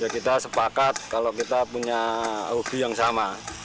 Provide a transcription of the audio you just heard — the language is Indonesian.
kita sepakat kalau kita punya hobi yang sama